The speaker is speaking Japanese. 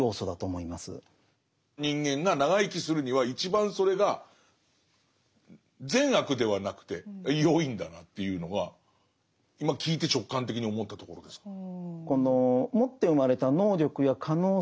人間が長生きするには一番それが善悪ではなくてよいんだなというのは今聞いて直感的に思ったところですかね。